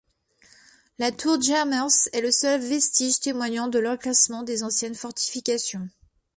La tour Jarmers est le seul vestige témoignant de l'emplacement des anciennes fortifications.